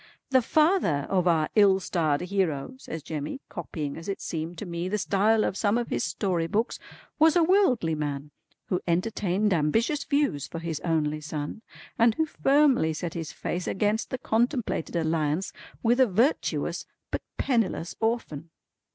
"The father of our ill starred hero" says Jemmy, copying as it seemed to me the style of some of his story books, "was a worldly man who entertained ambitious views for his only son and who firmly set his face against the contemplated alliance with a virtuous but penniless orphan.